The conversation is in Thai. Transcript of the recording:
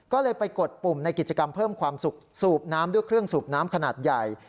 ก็เลยไปกดปุ่มในกิจกรรมเพิ่มความสุขสูบน้ำด้วยเครื่องสูบน้ำขนาดใหญ่